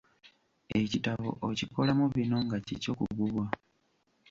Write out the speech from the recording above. Ekitabo okikolamu bino nga kikyo ku bubwo.